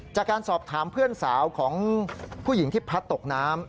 จากการสอบถามเพื่อนสาวของผู้หญิงที่พัดตกน้ำ